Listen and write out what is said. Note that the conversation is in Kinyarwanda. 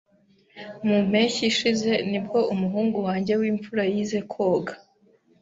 Mu mpeshyi ishize nibwo umuhungu wanjye w'imfura yize koga.